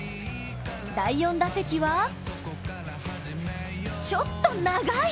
第４打席はちょっと長い！